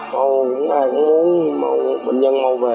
chúc ai cũng muốn bệnh nhân mau về